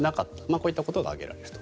こういったことが挙げられると。